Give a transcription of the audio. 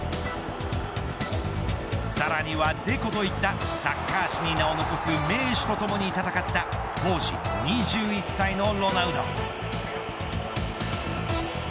さらにはデコといったサッカー史に名を残す名手とともに戦った当時２１歳のロナウド。